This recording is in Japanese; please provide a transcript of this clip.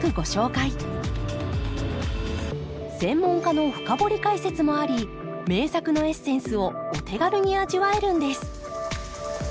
専門家の深掘り解説もあり名作のエッセンスをお手軽に味わえるんです